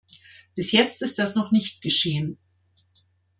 Bis jetzt ist das noch nicht geschehen.